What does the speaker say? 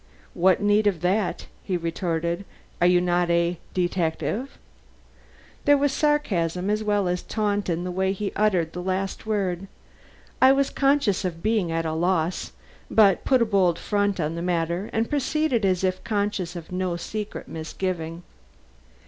"What need of that?" he retorted. "Are you not a detective?" There was sarcasm, as well as taunt in the way he uttered that last word. I was conscious of being at a loss, but put a bold front on the matter and proceeded as if conscious of no secret misgiving.